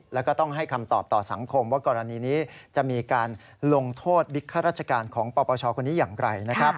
แล้วก็ต้องให้คำตอบต่อสังคมว่ากรณีนี้จะมีการลงโทษบิ๊กข้าราชการของปปชคนนี้อย่างไรนะครับ